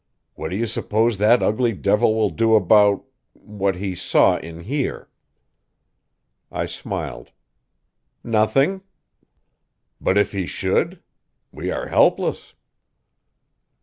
"What do you suppose that ugly devil will do about what he saw in here?" I smiled. "Nothing." "But if he should? We are helpless."